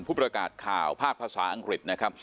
ผู้ประกาศข่าวภาคภาษาอังกฤษนะครับ